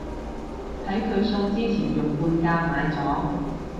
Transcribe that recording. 喺佢送之前用半價買咗